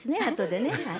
あとでね。